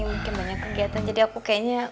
mungkin banyak kegiatan jadi aku kayaknya